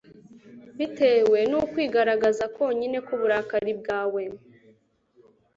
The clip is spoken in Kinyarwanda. bitewe n'ukwigaragaza konyine k'uburakari bwawe